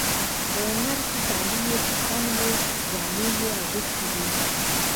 د نرسې کالي یې په تن وو، جامې یې اغوستې وې.